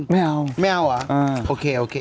ไม่เอาว้าวไม๊โอเค